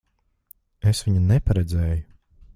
Es viņu neparedzēju.